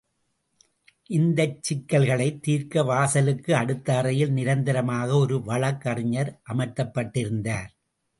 இந்தச் சிக்கல்களைத் தீர்க்க வாசலுக்கு அடுத்த அறையில் நிரந்தரமாக ஒரு வழக்கு அறிஞர் அமர்த்தப்பட் டிருந்தார்.